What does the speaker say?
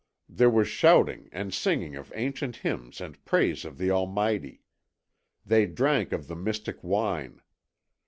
There was shouting and singing of ancient hymns and praise of the Almighty. They drank of the mystic wine.